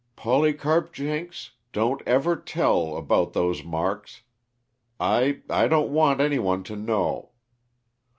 "Polycarp Jenks, don't ever tell about those marks. I I don't want any one to know.